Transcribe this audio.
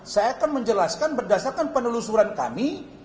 saya akan menjelaskan berdasarkan penelusuran kami